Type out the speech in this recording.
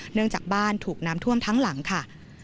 เนื่องจากบ้านถูกน้ำท่วมทั้งหลังค่ะ